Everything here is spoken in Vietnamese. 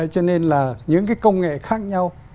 cho nên là những cái công nghệ khác nhau